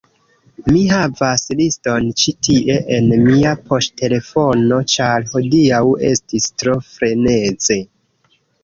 Mi havas liston ĉi tie en mia poŝtelefono ĉar hodiaŭ estis tro freneze